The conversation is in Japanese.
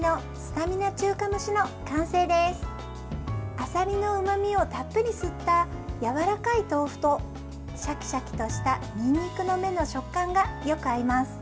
あさりのうまみをたっぷり吸ったやわらかい豆腐とシャキシャキとしたにんにくの芽の食感がよく合います。